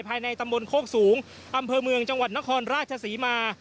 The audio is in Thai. ภายในตำบลโคกสูงอำเภอเมืองจังหวัดนครราชศรีมา